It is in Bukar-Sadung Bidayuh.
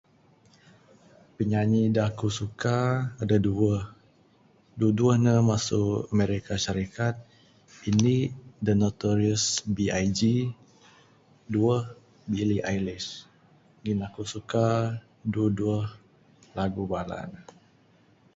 Penyanyi dak aku suka adeh duweh, duweh duweh ne mesu American Syarikat. Indi Dinotorush BIG duweh Billy Ailis ngin aku suka duweh duweh lagu bala ne.